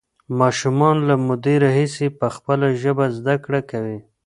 ماشومان له مودې راهیسې په خپله ژبه زده کړه کوي.